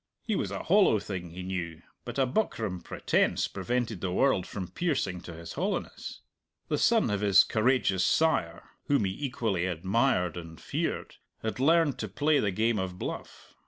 He was a hollow thing, he knew, but a buckram pretence prevented the world from piercing to his hollowness. The son of his courageous sire (whom he equally admired and feared) had learned to play the game of bluff.